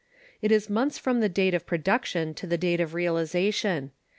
It is months from the date of production to the date of realization.